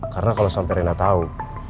karena kalau sampai reina tau